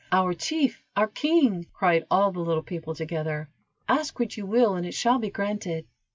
"Our chief! our king!" cried all the little people, together. "Ask what you will and it shall be granted."